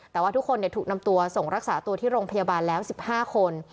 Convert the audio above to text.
แต่ว่าทุกคนถูกนำตัวส่งรักษาตัวที่โรงพยาบาลแล้ว๑๕คน